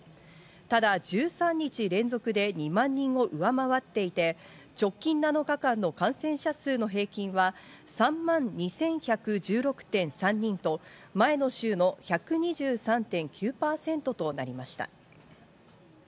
ただ１３日連続で２万人を上回っていて、直近７日間の感染者数の平均は３万２１１６．３人と、前の週の１２３．９％となりました。